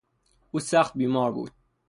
او سخت بیمار بود.